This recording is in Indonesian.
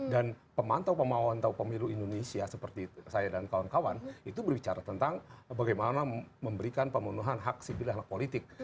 dan pemantau pemantau pemilu indonesia seperti saya dan kawan kawan itu berbicara tentang bagaimana memberikan pemenuhan hak sibilah dan politik